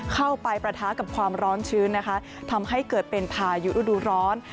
ปะทะกับความร้อนชื้นนะคะทำให้เกิดเป็นพายุฤดูร้อน